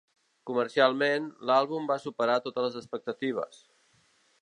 Comercialment, l'àlbum va superar totes les expectatives.